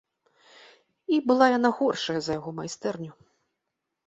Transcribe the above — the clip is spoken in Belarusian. І была яна горшая за яго майстэрню.